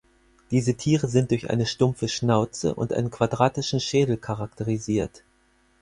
Diese Tiere sind durch eine stumpfe Schnauze und einen quadratischen Schädel charakterisiert.